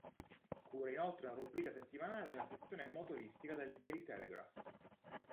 Cura inoltre una rubrica settimanale nella sezione motoristica del "Daily Telegraph".